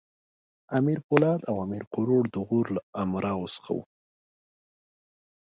امیر پولاد او امیر کروړ د غور له امراوو څخه وو.